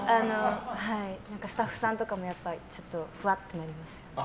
スタッフさんとかもふわっとなります。